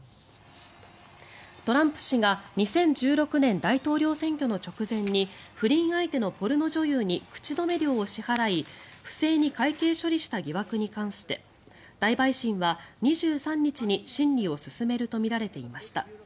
トランプ氏が２０１６年大統領選挙の直前に不倫相手のポルノ女優に口止め料を支払い不正に会計処理した疑惑に関して大陪審は２３日に審理を進めるとみられていました。